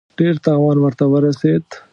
ډېر تاوان ورته ورسېد.